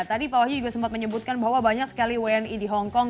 tadi pak wahyu juga sempat menyebutkan bahwa banyak sekali wni di hongkong